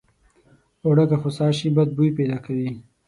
اوړه که خوسا شي بد بوي پیدا کوي